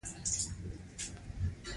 هغې د زړه له کومې د ځنګل ستاینه هم وکړه.